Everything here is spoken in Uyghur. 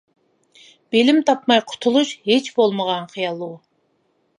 بىلىم تاپماي قۇتۇلۇش، ھېچ بولمىغان خىيال ئۇ.